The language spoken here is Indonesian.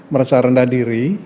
merasa rendah diri